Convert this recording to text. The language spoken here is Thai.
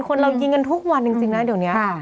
คนเรายิงกันทุกวันจริงนะเดี๋ยวนี้